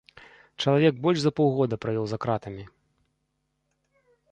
Чалавек больш за паўгода правёў за кратамі.